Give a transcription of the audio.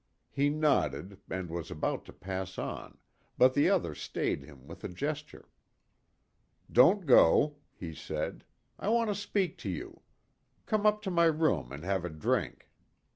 He nodded, and was about to pass on, but the other stayed him with a gesture. "Don't go," he said. "I want to speak to you. Come up to my room and have a drink."